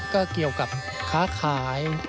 ก็เกี่ยวกับค้าขาย